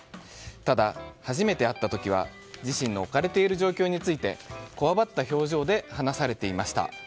ただ、初めて会った時は自身の置かれている状況についてこわばった表情で話されていました。